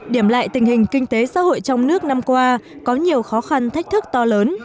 điểm lại tình hình kinh tế xã hội trong nước năm qua có nhiều khó khăn thách thức to lớn